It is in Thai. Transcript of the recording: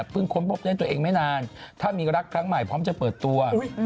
ค้นพบได้ตัวเองไม่นานถ้ามีรักครั้งใหม่พร้อมจะเปิดตัว